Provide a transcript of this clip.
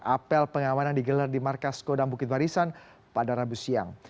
apel pengamanan digelar di markas kodam bukit barisan pada rabu siang